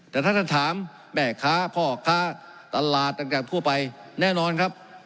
แต่ถ้าท่านถามแม่ค้าพ่อค้าตลาดตั้งแต่ทั่วไปแน่นอนครับ